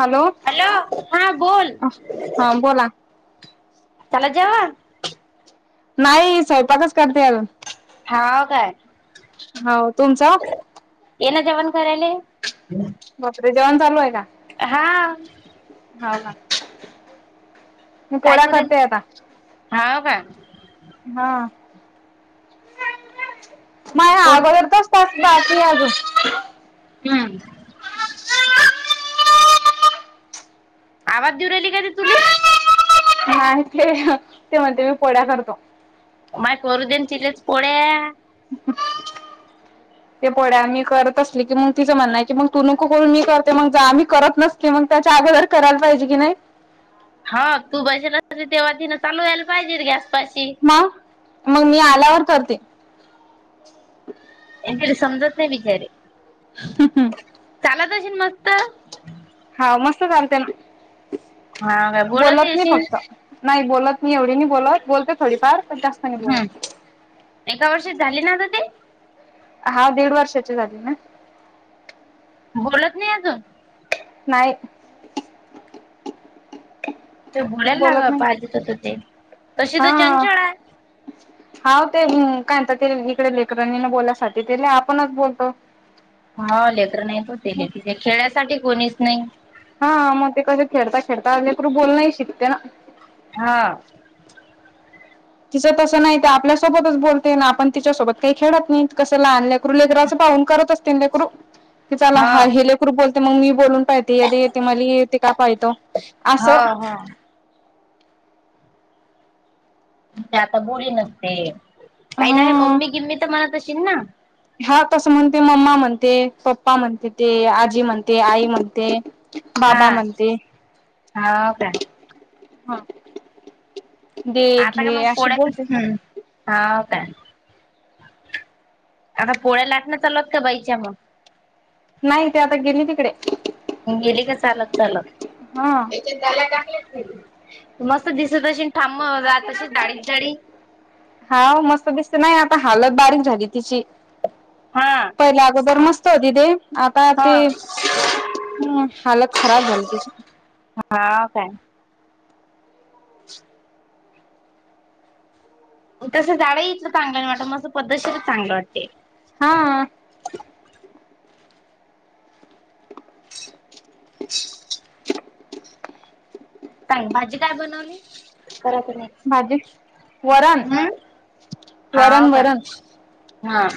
Hello hello हा बोल हा बोला चला जेव नाही स्वयंपाकच करते अर. हा काय हो तुमचा. येना जेवण करायला. माते जेवण चालू आहे का? हा हा हा काय करून हा का हा माया्या पोर अगोदरताच बस बाकी अज! हम्म आवाज देऊ राहिली का ती तुला! मा ते ते म्हणते मी पोळ्या करतो माय करू देन तिलेच पोळ्या ते पढ्या आम्ही करत असली की मग तिचं म्हणणं की मग तू नको करून मी करते मग जा आम्ही करत नसते. कि मग त्याच्या अगोदर करायला पाहिजे की नाही. हा तू बसेला तेव्हा ति चालू वयला पाहिजे गॅस पाशी. मग मग मी आल्यावर करते. तरी समजत नाही बिचारे. ह हम् चालातशील मस्त. हा मस्त चालते हा काय बोलवते बोलत नाही अशी फक्त! नाही बोलत मी एवढी नाही बोलत बोलते थोडीफार पण जास्त. नाही हम् बोलत एका वर्षी झाले ना तर ते. हा दीड वर्षाची झाली ना बोलत नाही अजून नाहीय ते बोलाला ना ग पाहिजेच होत ते तशी हा तर चंचळ आहे हा ते कायत इकडे लेकरणीने बोलायसाठी त आपणच बोलतो होले तर नाही हो ते ते खेळ्यासाठी कोणीच नाही हा मग ते कसं खेळता खेळता लेकरू बोलण शिकते ना हा तिचं तसं नाही ते आपल्यासोबतच बोलते ना आपण तिच्यासोबत काही खेळत नाही कसं लहान लेकरू लेकरराचं पाहून करत अस तिंदे कुड की चला हा हि लेकरू बोलते मग मी बोलून पाहिते या येते मला येते का पाहतो हा असं हा आता बोळी नसते काही नाही हा मम्मी गिम्मी तर मनात असशीील ना हा तसं म्हणते मम्मा म्हणते पप्पा म्हणते ते आजी म्हणते आई म्हणते बाबा हा म्हणते हो काय हा दे आता का घे मग अस पोळ्या बोलते हम्म हा काय आता पोळ्या लाटणं चालत का बाईच्या मग नाही ते आता गेली तिकडे. गेली का चालत चालत. हा मस्त दिस तशी ांम राातशी डाळीत जाडी. हा मस्त दिसते नाही आता हालत बारीक झाली तिची हा पहिला अगोदर मस्त होती ते आता ते हा ह हालत खराब झाली तची हां का? तसं झाडंही इथलं चांगलं वाटतं मसं पद्धशर चांगलं वाटते. हा. सांग भाजी काय बनवली करायचं नाही. भाजी वरण हाव वरण का वरण हा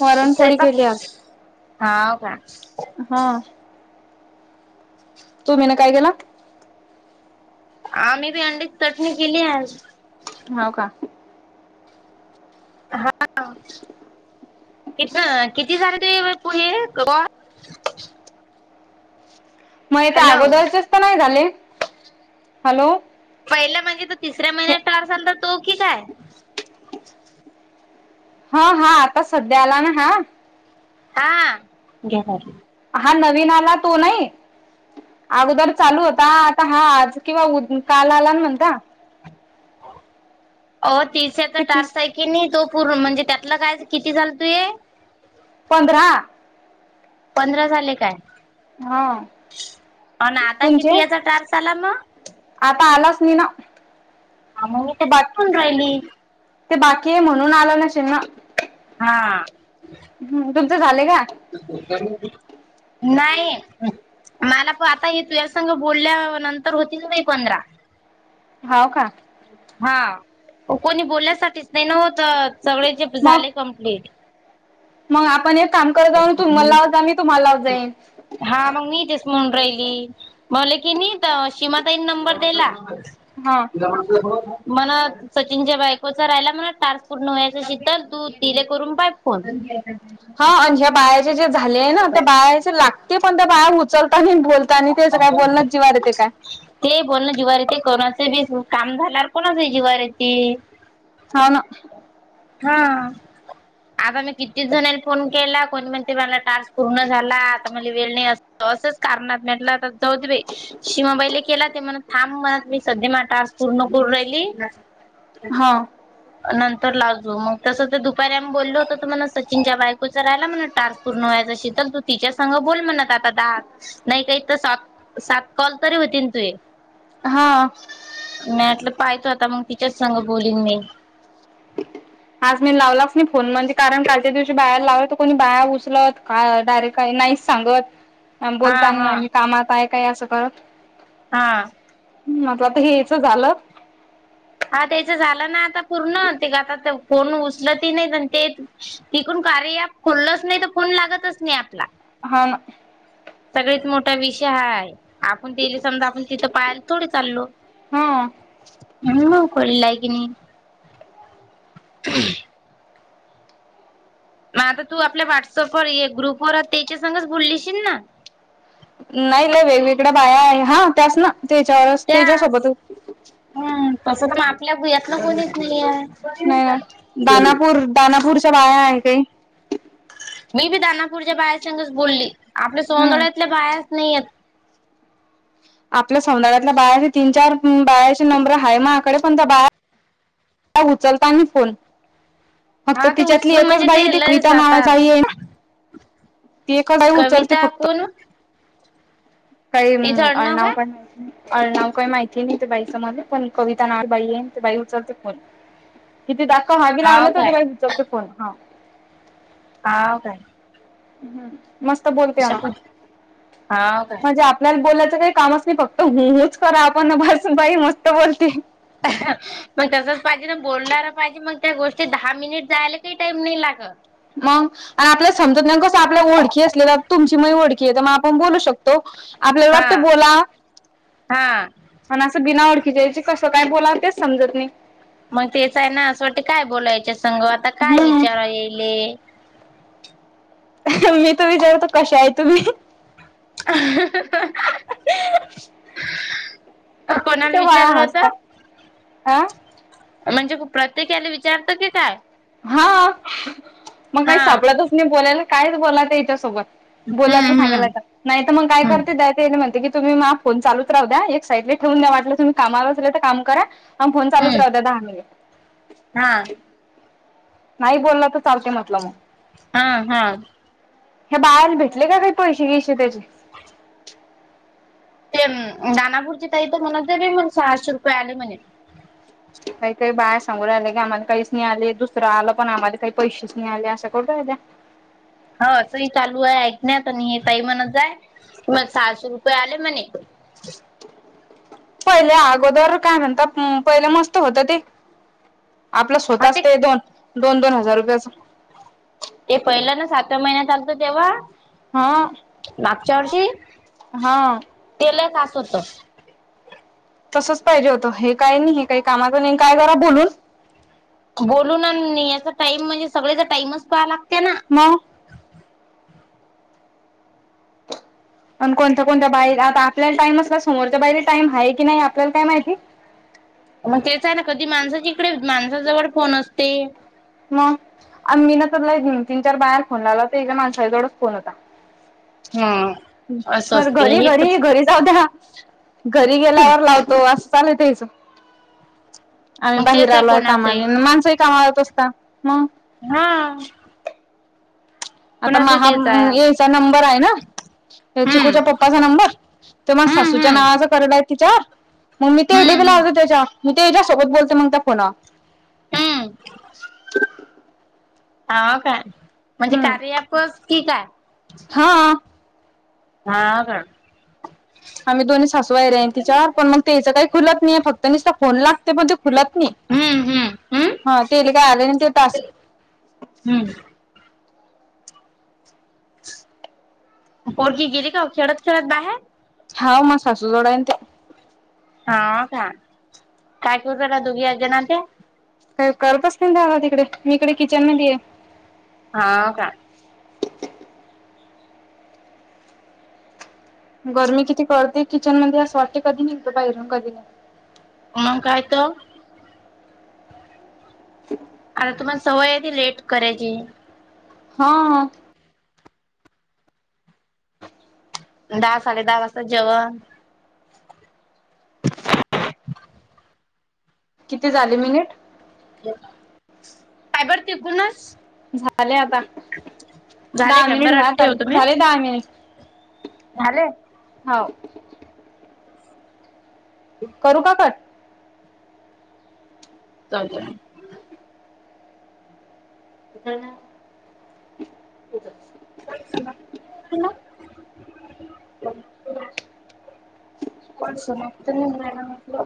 वरण पोळी केली आज हा का? हा. तु्ही ना काय केला. आम्ही बी अंडीची चटणी केली आहे. हो का? हा किती किती झाले तु पुढे ग. मग ते हॅलो अगोदरचेच तर नाही झाले हॅलो. पहिलं म्हणजे तर तिसऱ्या महिन्यात हे टार झाल तर तो की काय? हा हा आता सध्या आला ना हा. हा. हा नवीन आला तो नाही. अगोदर चालू होता आता हा आज किंवा उ काल आला ना म्हणता. हो तिश तर ते तीस टारसाई कि नाही तो पूर्ण म्हणजे त्यातला काय किती झालं तू आहे. पंधरा. पंधरा झाले काय? हा. अन आता तुणचे किती याचा टार्स आला मग आता आलाच नाही ना. ह मग मी तो बाकी तेन राहिली. ते बाकी आहे म्हणून आलं नाशनना. हा. हम् तुमचं झालंय का? नाही. मला प आता हे तु संघ बोलल्या नंतर होतील नाही पंधरा होव का? हा कोणी बोलण्यासाठीच नाही ना होत सगळे जे मग झाले कम्प्लीट मग आपण एक काम करत जाऊून तुमला लाव जा मी तुम्हाला लाव जाईन. हा मग नी तेस म्हून राहिली मले की नी सीमा ताईन नंबर दिला. हा मण सचिनच्या बायकोच राहायला म्हणा टारस पूर्ण व्हायचं चितल तू तिले करून पाय हो. हा आणि ह्या बाळाचे जे झाले ना त्या बाळाचे लागते पण त्या बाया उचलताना बोल. ह बोल. ते बोलण जीवारीती कोणाच बी काम झाल्यावर कोणा जीवारीती सना हा आता मी किती जणांनी फोन केला कोणी म्हण. ते मला टारस् पूर्ण झाला आता मला वेळ नाही असंच कारणात म्हटलं तर जा बा. शिमाबाैले केला ते म्हण थांब म्हणत मी सध्या मा टस पूर्ण करून राहिली. हा नंतर लागजो मग तसं तर दुपारी आम्ही बोललो होत तर म्हणला सचिनच्या बायकोचं राहिला म्हण टार पूर्ण व्हायच असशील तर तू तिच्या संघ बोल म्हणत आता दहा नाही काही तर सात सात कॉल तरी होती तु हा मटलं पाहतो आता मग टीचर सांग बोलीन मी आज मी लावलाच नाही फोन मध्ये कारण कालच्या दिवशी बाहेर लावलं तर कोणी बाहेया उचलत का डायरेक्ट काही नाहीच सांगत ह बोलताना आणि कामात आहे काय असं करत हा ह आता आता हेच झालं हा त्याच झालं ना आता पूर्ण ते आता फोन उचल ती नाही ते तिकून कार्य खोललच नाही तर फोन लागतच नाही आपला हा ना सगळीत मोठा विषय ह आपण दिले समजा आपण तिथं पाहिल तोडी चालल हा ह म खळी लागनी हम् मग आता तू आपल्या व्हॉट्सअप ववर ग्रुपवर त्याच्या सच बोललीशील ना नाही नाही वेगवेगळ्या बाया आहे हा त्यास ना त्याच्यावर त्याच्यासोबतच हम तसं तर मग आपल्या भुयातलं कोणीच नाही आहे नाही ना दानापूर दानापूरच्या बाया आहे काही मी बी दानापूरच्या बायासघच बोलली आपल्या हम्म सोनदळ्यातल्या बायाच नाही आहेत आपल्या सौदााळ्यातल्या बाळाचे तीन चार बाळाचे नंबर आहे म आकडे पण त्या बा उचलताना फोन फक्त हा ते तिच्यातली उचलून एकच म्हणजे बाई ते त लयच कविता जातात. नावाचा आहेे ती ए का काय उचालते कविता फक्त कोण काही तिचं आडनाव अळणाव काय? पण अर्णाव काही माहिती आहे नाही ते बाई समजले पण कविता ना बाई आहे ते बाई उचलते पण किती दाखव हवी हाव लावलं त काय तेस विचवतेो फोन हा हा काय हम् मस्त बोलते असं ना पण हाव काय म्हणजे आपल्याला बोलायचं काही कामच नाही फक्त होच करा आपणजून बाई मस्त बोलते अ मग तसच पाहिजे ना बोलणार पाहिजे मग त्या गोष्टीत दहा मिनिट जायला काही टाइम नाही लागत मग आणि आपल्याला समजत नाही कसं आपल्यालाओखी असलेला तुमची महीओखी आहे तर मग आपण बोलू शकतो आपल्याला हा वाटत बोला हा आणि असं बिना ओळखीच्या यायचे कसं काय बोला तेच समजत नाही मग तेच आहे ना असं वाट काय बोलायचे संग आता काय हम्म विचारा येईल मी तू विचारतो कशा आहे तुम्ही अ [unintelligible] कोणाला ते वाळा विचारलं हसताात होत अं म्हणजे प्रत्येकाला विचारतं की काय हा मग हा काही सापडतच नाही बोलायला कायच बोला ते याच्यासोबत बोयचं हम्म सांगायलाय हम्म का नाही तर मग काय हम्म करते त्या ते म्हणते की तुम्हीग फो चालूच राह द्या एक साईडले ठेवून द्या वाटलं तुम्ही कामा अस तर काम करा हा फोन चालच हम्म राहत दहा मििट हा नाही बोललं तर चालते म्हटलं मग हा हा हे बाहेला भेटले का काही पैसे घैसे त्याचे ते दानापुरची ताई तर म्हणात म सहाशे रुपये आले म्हणत. काही काही बाहेर सांगून राहिले की आम्हाला काहीच नाही आले दुसरं आलं पण आम्हा काही पैसेच नाही आले असं करू राहिल्या. हो असं ह चालू आहे ऐकण्यात आणि हे ताई म्हणत जाय क मग सहाशे रुपये आले म्हणे. पहिले अगोदर काय म्हणता पहिले मस्त होत ते आपलं हा ते स्वतःचतय दोन दोन दोन हजार रुपयाच ते पहिलं ना सातव्या महिन्यातचालतं तेव्हा हा मागच्यावरती हा तेला कास होत तसच पाहिजे होतं हे काय नाही हे काही कामाातं काय करा बोलून बोलून याचा टाईम म्हणजे सगळेचा टाईमच पहा लागते ना म पण कोणत्या कोणत्या बाईर आता आपल्याला टाईमच का समोरच्या बाईरी टाईम आहे की नाही आपल्याला काय माहिती मग तेच आहे ना कधी माणसाच्यािकडे माणसाजवळ फोन असते मग मी ना तला एक तीन चार बाहेर फोन लावला तर एकदा माणसाच्या जवळच फोन होता ह असं म असते घरी हे पण घरी घरी जाऊ द्या घरी गेल्यावर लावतो असं चालयच आम्ही मग बाहेर तेच आलो आहे कामाने कोणाचही माणसंही कामा लात असता मग हा आता कोणाच म हा तेच आहे यायचा नंबर आहे ना चखूच्या हम्म पप्पाचा नंबर तर मग हम्म सासूच्या हम्म नावाचा कयला आहे तिच्यावर मग मी तेले हम्म बी हम्म लावतेो त्याच्या मी ते त्याच्यासोबत बोलतेो मग त्या फोना हम्म ह काय म्हणजे हम्म कार्यापस की काय हा हा का आम्ही दोन्ही सासूईरन ति चार पण मग त्याचं काही खुलत नाहीे फक्त निसता फोन लागत ते म खुलत नाही हम्म हम्म हम्म. हा ते काय आले ते तास हम्म ओळखी गेली का खेळत खेळत बाहेर हा म सासू जोडाय ते हा का कायकुर ना दुघी आ जेणते का करतच नाही दवा तिकडे मी इकडे किचन मध्ये आहे हा काय गरमी किती कळते किचन मध्ये असं वाटे कधी निघतो बाहेरून कधी नि मग काय त ह आता तुम्हाला सवयधी लेट करायची हा दहा साडे दहा वाजता जेवण [inaudible] किती झाले मिनिट सायबर टिकूनस झाले आता झाले दहा काय मिनिट वर बरं आले ठेवतो मी. झाले दहा मिनिट झाले हो करू का कट अ इ ना [inaudible] कोणस मगत नाही म्हला म्हटलं